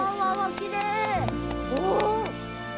きれい！